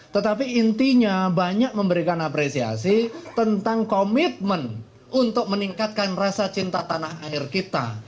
tetapi intinya banyak memberikan apresiasi tentang komitmen untuk meningkatkan rasa cinta tanah air kita